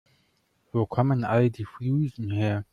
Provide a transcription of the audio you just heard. Wo kommen all die Flusen her?